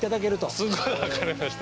すごい分かりました。